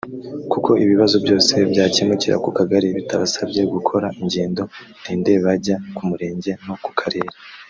kuko ibibazo byose byakemukira ku kagari bitabasabye gukora ingendo ndende bajya ku murenge no ku karere”